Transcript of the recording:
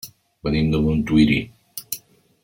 Venim de Montuïri.